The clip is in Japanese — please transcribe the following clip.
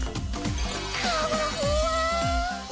かわほわ。